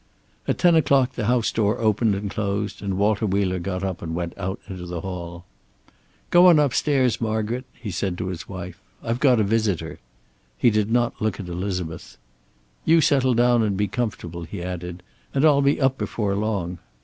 At ten o'clock the house door opened and closed, and Walter Wheeler got up and went out into the hall. "Go on upstairs, Margaret," he said to his wife. "I've got a visitor." He did not look at Elizabeth. "You settle down and be comfortable," he added, "and I'll be up before long.